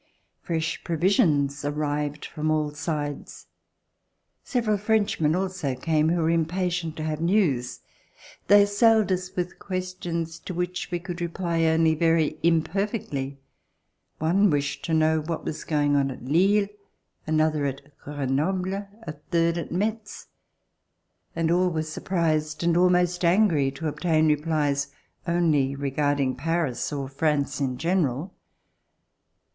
Fresh provisions arrived from all sides. Several Frenchmen also came, who were impatient to have news. They assailed us with questions to which we could reply only very imperfectly. One wished to know what was going on at Lille, another at Grenoble, a third at Metz, and all were surprised and almost angry to obtain replies only regarding Paris or France in general.